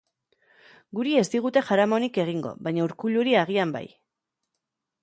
Guri ez digute jaramonik egingo, baina Urkulluri agian bai.